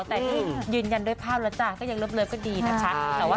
แต่นี่ยืนยันด้วยภาพแล้วจ้ะก็ยังเลิฟก็ดีนะคะ